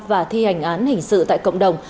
và thi hành án hình sự tại cộng đồng